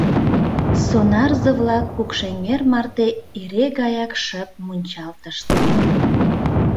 Сонарзе-влак Кукшеҥер марте эре гаяк шып мунчалтышт.